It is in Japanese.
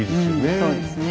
そうですね。